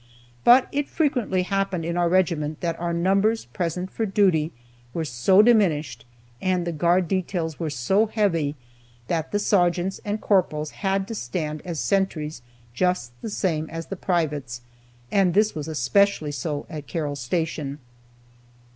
But it frequently happened in our regiment that our numbers present for duty were so diminished, and the guard details were so heavy, that the sergeants and corporals had to stand as sentries just the same as the privates, and this was especially so at Carroll Station.